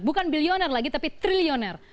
bukan bilioner lagi tapi trilioner